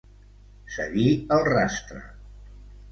Seguir el rastre.